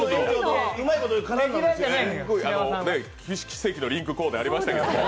奇跡のリンクコーデありましたけれども。